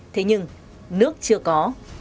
thế nhưng nước chưa có